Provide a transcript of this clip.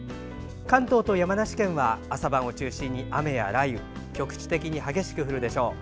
関東と山梨県は朝晩を中心に雨や雷雨局地的に激しく降るでしょう。